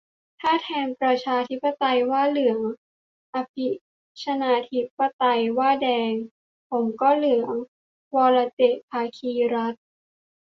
ถ้าแทนประชาธิปไตยว่าเหลือง อภิชนาธิปไตยว่าแดง ผมก็เหลือง - วรเจตน์ ภาคีรัตน์